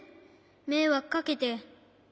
めいわくかけて。